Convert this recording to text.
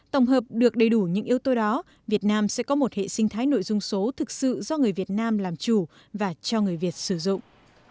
tổng hợp được đầy đủ những yếu tố đó việt nam sẽ có một hệ sinh thái nội dung số thực sự do người việt nam làm chủ và cho người việt sử dụng